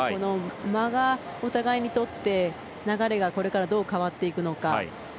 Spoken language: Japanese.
間がお互いにとって流れがこれからどう変わっていくのか。